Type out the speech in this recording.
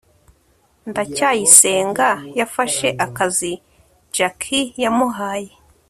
ndacyayisenga yafashe akazi jaki yamuhaye